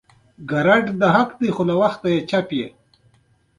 دوی سیندونو او جهیلونو ته ځانونه رسوي